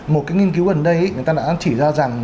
một cái nghiên cứu gần đây người ta đã chỉ ra rằng